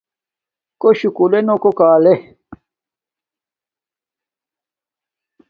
کݸ شُکُلݺ نݸ کݸ کݳلݺ.